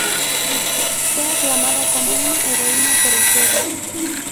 Fue aclamada como una heroína por el pueblo.